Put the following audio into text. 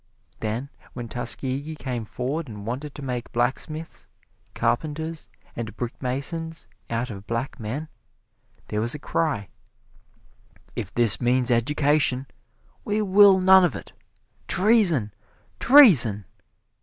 Then when Tuskegee came forward and wanted to make blacksmiths, carpenters and brick masons out of black men, there was a cry, "If this means education, we will none of it treason, treason!"